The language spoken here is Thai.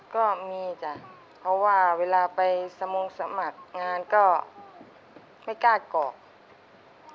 ก็มีจ้ะเพราะว่าเวลาไปสมงสมัครงานก็ไม่กล้ากรอก